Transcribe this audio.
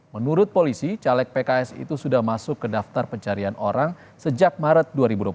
menurut polisi caleg pks itu sudah masuk ke daftar pencarian orang sejak maret dua ribu dua puluh satu